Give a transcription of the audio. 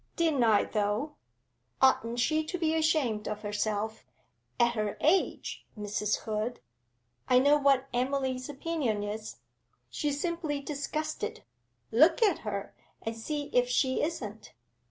'Didn't I, though! Oughtn't she to be ashamed of herself, at her age, Mrs. Hood! I know what Emily's opinion is; she's simply disgusted. Look at her, and see if she isn't.'